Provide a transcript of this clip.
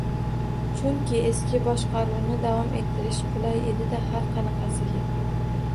Chunki eski boshqaruvni davom ettirish qulay edida har qanaqasiga.